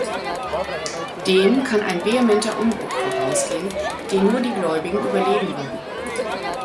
Dem kann ein vehementer Umbruch vorausgehen, den nur die Gläubigen überleben würden.